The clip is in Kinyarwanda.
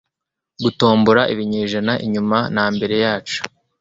gutombora ibinyejana inyuma na mbere yacu